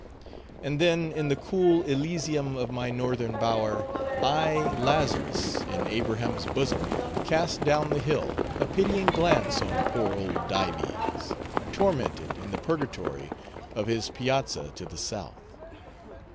And then, in the cool elysium of my northern bower, I, Lazarus in Abraham's bosom, cast down the hill a pitying glance on poor old Dives, tormented in the purgatory of his piazza to the south.